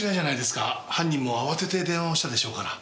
犯人も慌てて電話をしたでしょうから。